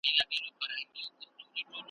باید کړو سرمشق د کړنو په کتار کي د سیالانو ,